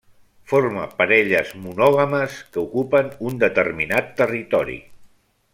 Forma parelles monògames que ocupen un determinat territori.